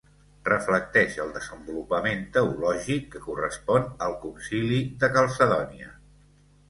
Reflecteix el desenvolupament teològic que correspon al Concili de Calcedònia.